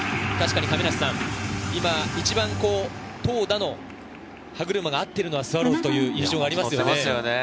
今、一番投打の歯車が合っているのはスワローズと１勝がありますね。